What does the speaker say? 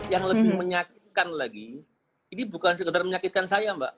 yang lebih menyakitkan lagi ini bukan sekedar menyakitkan saya mbak